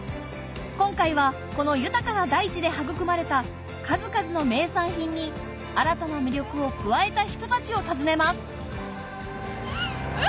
今回はこの豊かな大地で育まれた数々の名産品に新たな魅力を加えた人たちを訪ねますうわ